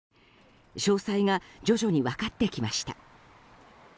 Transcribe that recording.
詳細が徐々に分かってきました。